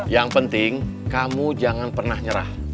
yang penting kamu jangan pernah nyerah